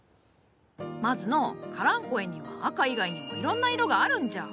まずのうカランコエには赤以外にもいろんな色があるんじゃ。